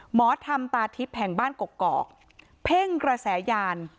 หมอธรรมตาทิพย์แห่งบ้านกกอกเพ่งกระแสยาน